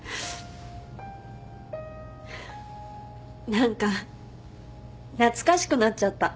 何か懐かしくなっちゃった。